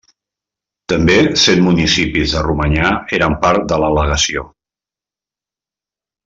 També set municipis de Romanya eren part de la Legació.